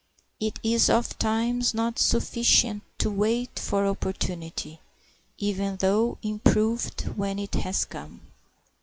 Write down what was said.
It is ofttimes not sufficient to wait for opportunity, even though improved when it has come.